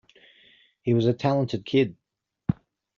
He was a talented kid.